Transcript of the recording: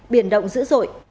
biển động dữ dội